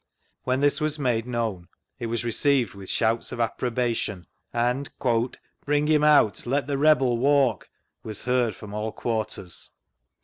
When this was made known it was received with shouts of approbation and " bring him out, let the rebel walk," was heard from all quarters.